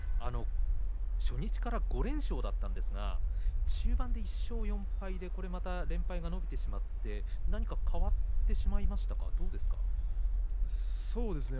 初日から５連勝だったんですが中盤で１勝４敗でこれまた連敗が伸びてしまって何か変わってしまいましたか？